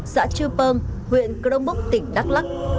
xã chu pơng huyện cơ đông bốc tỉnh đắk lắc